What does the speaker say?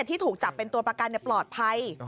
ที่ถูกจับเป็นตัวประกันปลอดภัย